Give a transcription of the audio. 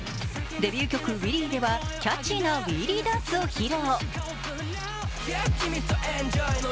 デビュー曲「Ｗｈｅｅｌｉｅ」ではキャッチーなウィーリーダンスを披露。